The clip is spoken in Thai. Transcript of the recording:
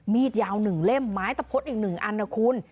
มีดยาว๑เล่มไม้ตะพดอีก๑อันนะคุณ